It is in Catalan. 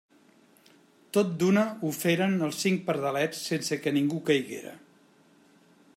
Tot d'una ho feren els cinc pardalets sense que ningú caiguera.